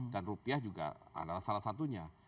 dan rupiah juga adalah salah satunya